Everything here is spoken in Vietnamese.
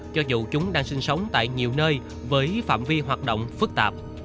cho dù chúng đang sinh sống tại nhiều nơi với phạm vi hoạt động phức tạp